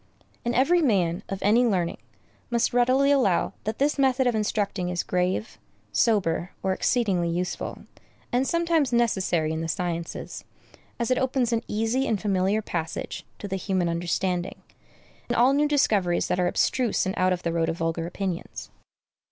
And every man, of any learning, must readily allow that this method of instructing is grave, sober, or exceedingly useful, and sometimes necessary in the sciences, as it opens an easy and familiar passage to the human understanding, in all new discoveries that are abstruse and out of the road of vulgar opinions.